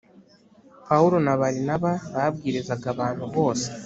Pawulo na Barinaba babwirizaga abantu bose